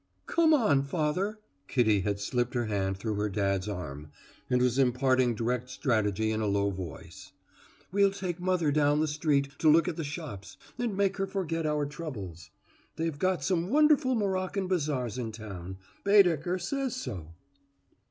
"Come on, father" Kitty had slipped her hand through her dad's arm, and was imparting direct strategy in a low voice "we'll take mother down the street to look at the shops and make her forget our troubles. They've got some wonderful Moroccan bazaars in town; Baedeker says so."